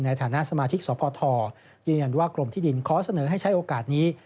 ในฐานะสมาชิกสพยืนยันว่ากรมที่ดินขอเสนอให้ใช้โอกาสนี้